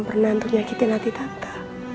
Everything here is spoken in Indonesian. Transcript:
pernah menyakitkan hati tante